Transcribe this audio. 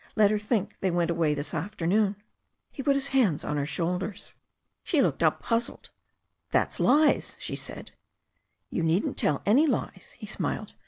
Let her think they went away this afternoon." He put his hands on her shoulders. She looked up puzzled. "That's lies," she said. "You needn't tell any lies," he smiled.